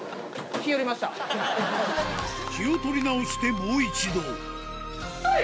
気を取り直してもう一度はい！